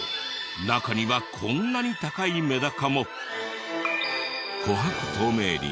中にはこんなに高いメダカも。